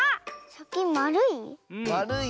さきまるい？